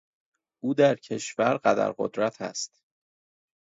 او در کشور قدر قدرت است.